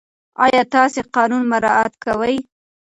آیا تاسې قانون مراعات کوئ؟